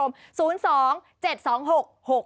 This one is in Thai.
มีอย่างไรบ้างครับ